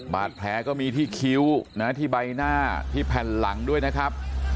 บาดแผลก็มีที่คิ้วนะที่ใบหน้าที่แผ่นหลังด้วยนะครับ